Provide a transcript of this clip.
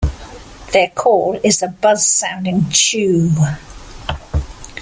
Their call is a buzz-sounding "chew".